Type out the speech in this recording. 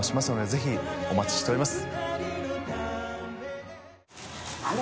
ぜひお待ちしております。